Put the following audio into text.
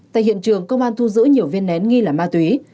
tại hiện trường công an thu giữ nhiều viên nén nghi là ma túy